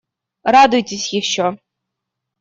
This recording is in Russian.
Радуйтесь ещё.